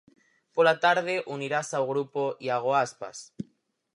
Pola tarde unirase ao grupo Iago Aspas.